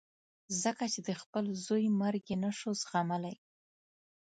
ځکه چې د خپل زوی مرګ یې نه شو زغملای.